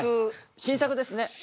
新作ですね。